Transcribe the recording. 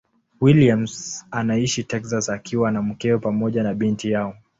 Williams anaishi Texas akiwa na mkewe pamoja na binti yao.